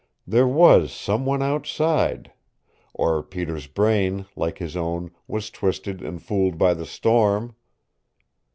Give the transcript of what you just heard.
THERE WAS SOME ONE OUTSIDE or Peter's brain, like his own, was twisted and fooled by the storm!